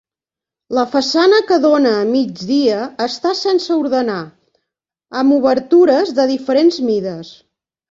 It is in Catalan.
La façana que dóna a migdia està sense ordenar, amb obertures de diferents mides.